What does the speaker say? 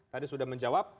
tadi sudah menjawab